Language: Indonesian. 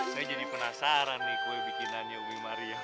saya jadi penasaran nih kue bikinannya ubi maria